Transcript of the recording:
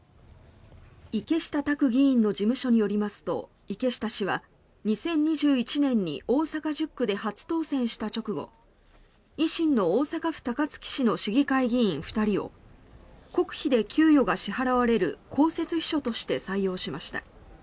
池下卓議員の事務所によりますと池下氏は２０２１年に大阪１０区で初当選した直後維新の大阪府高槻市の市議会議員２人を国費で給与が支払われる公設秘書として採用しました。